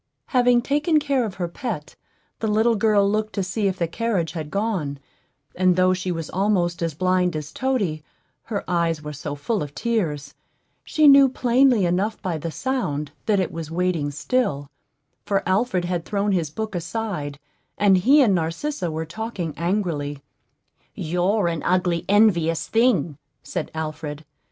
Having taken care of her pet, the little girl looked to see if the carriage had gone; and though she was almost as blind as Toady, her eyes were so full of tears, she knew plainly enough by the sound that it was waiting still; for Alfred had thrown his book aside, and he and Narcissa were talking angrily. "You're an ugly, envious thing," said Alfred.